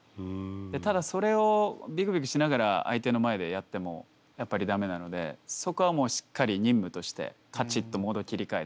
ただそれをビクビクしながら相手の前でやってもやっぱり駄目なのでそこはもうしっかり任務としてカチッとモード切り替えて。